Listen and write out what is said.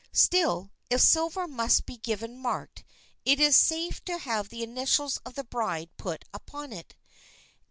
Still, if silver must be given marked, it is safe to have the initials of the bride put upon it.